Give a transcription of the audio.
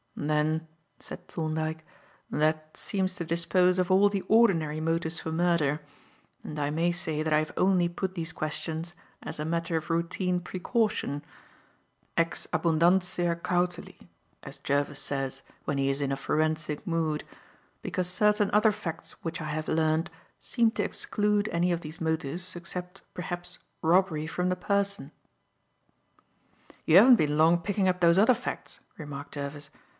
"Then," said Thorndyke, "that seems to dispose of all the ordinary motives for murder; and I may say that I have only put these questions as a matter of routine precaution ex abundantia cautelae, as Jervis says, when he is in a forensic mood because certain other facts which I have learned seem to exclude any of these motives except, perhaps, robbery from the person." "You haven't been long picking up those other facts," remarked Jervis.